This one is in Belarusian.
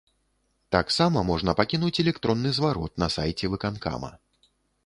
Таксама можна пакінуць электронны зварот на сайце выканкама.